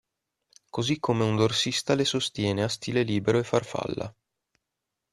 Così come un dorsista le sostiene a stile libero e farfalla.